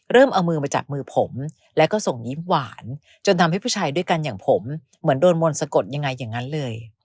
เอามือมาจับมือผมแล้วก็ส่งยิ้มหวานจนทำให้ผู้ชายด้วยกันอย่างผมเหมือนโดนมนต์สะกดยังไงอย่างนั้นเลย